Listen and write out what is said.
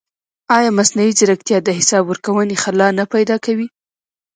ایا مصنوعي ځیرکتیا د حساب ورکونې خلا نه پیدا کوي؟